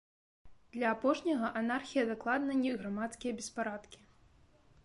Для апошняга, анархія дакладна не грамадскія беспарадкі.